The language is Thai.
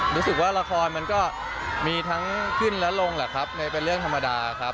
รู้สึกว่าละครมันก็มีทั้งขึ้นและลงแหละครับในเป็นเรื่องธรรมดาครับ